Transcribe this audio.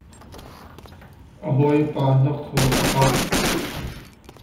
A hawipa hnakhaw a kauh.